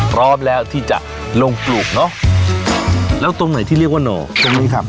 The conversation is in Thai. พร้อมแล้วที่จะลงปลูกเนอะแล้วตรงไหนที่เรียกว่าหน่อตรงนี้ครับ